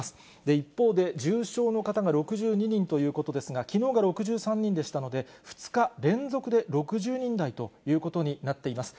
一方で重症の方が６２人ということですが、きのうが６３人でしたので、２日連続で６０人台ということになっています。